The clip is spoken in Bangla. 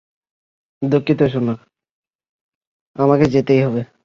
দুঃখিত সোনা, আমাকে যেতেই হবে!